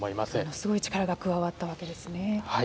すごい力が加わったわけですね。